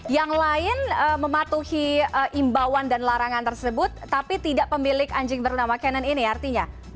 yang lain mematuhi imbauan dan larangan tersebut tapi tidak pemilik anjing bernama cannon ini artinya